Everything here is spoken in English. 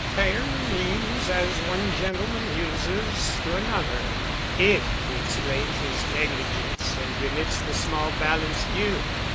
"Fair means, as one gentleman uses to another, if he explains his negligence and remits the small balance due.